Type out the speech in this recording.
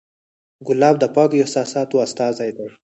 ګلاب د پاکو احساساتو استازی دی.